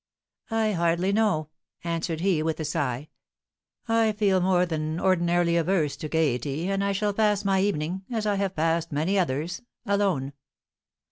"I hardly know," answered he, with a sigh. "I feel more than ordinarily averse to gaiety, and I shall pass my evening, as I have passed many others, alone."